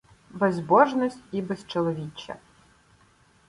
Безбожность і безчоловіччя